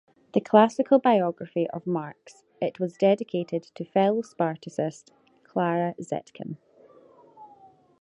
The classical biography of Marx, it was dedicated to fellow Spartacist Clara Zetkin.